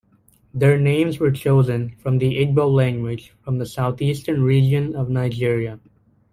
Their names were chosen from the Igbo language from the southeastern region of Nigeria.